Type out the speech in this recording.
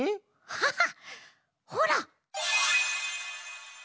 ハハッほらっ！